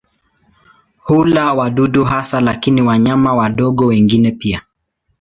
Hula wadudu hasa lakini wanyama wadogo wengine pia.